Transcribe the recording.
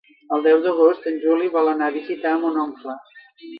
El deu d'agost en Juli vol anar a visitar mon oncle.